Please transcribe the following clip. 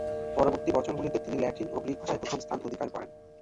পরবর্তী বছরগুলিতে তিনি ল্যাটিন ও গ্রিক ভাষায় প্রথম স্থান অধিকার করেন।